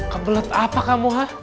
kebelet apa kamu ha